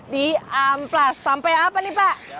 di amplas sampai apa nih pak